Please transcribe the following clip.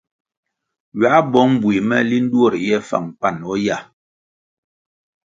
Ywā bong bui me linʼ duo riye fáng pani o yah.